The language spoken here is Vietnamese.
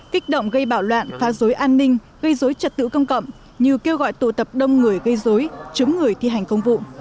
kích động gây bạo loạn phá rối an ninh gây rối trật tự công cộng như kêu gọi tổ tập đông người gây rối chống người thi hành công vụ